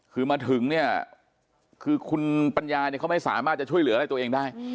คือมาถึงเนี่ยคือคุณปัญญาเนี่ยเขาไม่สามารถจะช่วยเหลืออะไรตัวเองได้